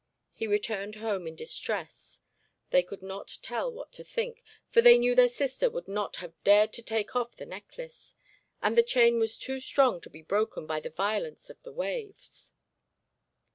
He returned home, in distress; they could not tell what to think, for they knew their sister would not have dared to take off the necklace, and the chain was too strong to be broken by the violence of the waves.